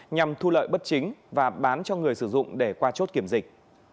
nhằm thu lợi bất chính và bán cho người sử dụng để qua chốt kiểm dịch